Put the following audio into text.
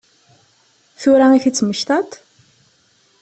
Tura i t-id-temmektaḍ?